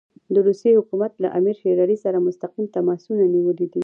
د روسیې حکومت له امیر شېر علي سره مستقیم تماسونه نیولي دي.